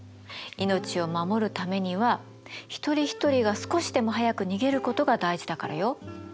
命を守るためには一人一人が少しでも早く逃げることが大事だからよ。